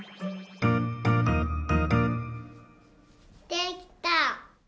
できた！